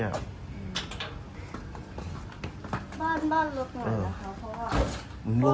บ้านบ้านลดหน่อยนะคะเพราะว่าอืม